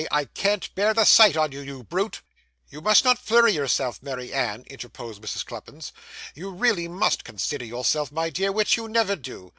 I can't bear the sight on you, you brute.' 'You must not flurry yourself, Mary Ann,' interposed Mrs. Cluppins. 'You really must consider yourself, my dear, which you never do.